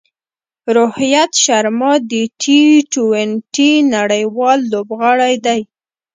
روهیت شرما د ټي ټوئنټي نړۍوال لوبغاړی دئ.